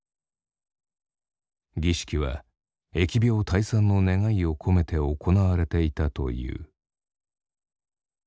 儀式は疫病退散の願いを込めて行われていたという。